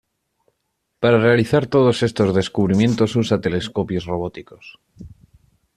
Para realizar todos estos descubrimientos usa telescopios robóticos.